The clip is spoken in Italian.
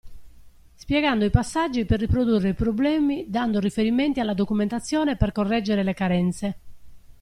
Spiegando i passaggi per riprodurre i problemi dando riferimenti alla documentazione per correggere le carenze.